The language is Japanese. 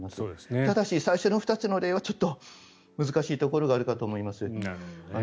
ただし、最初の２つの例はちょっと難しいところがあると思います。